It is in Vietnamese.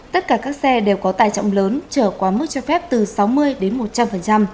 tất cả các xe đều có tài trọng lớn trở quá mức cho phép từ sáu mươi đến một trăm linh